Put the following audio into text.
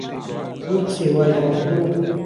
دوو قسەی وای لەگەڵ کردم